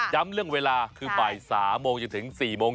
ย้ำเรื่องเวลาคือ๓มจนถึง๔มเย็น